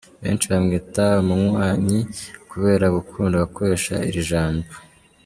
Benshi bamwita Umunywanyi kubera gukunda gukoresha iri jambo.